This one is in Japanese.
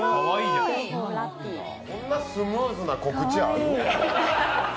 こんなスムーズな告知ある？